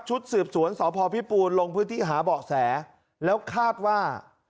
สืบสวนสพพิปูนลงพื้นที่หาเบาะแสแล้วคาดว่า